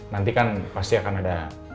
nanti kan pasti akan ada